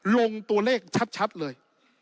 ลงตัวเลขชัดเลย